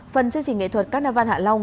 phần chương trình nghệ thuật carnarvon hạ long